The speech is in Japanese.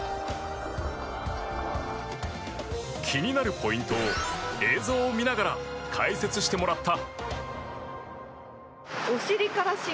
気になるポイントを映像を見ながら解説してもらった。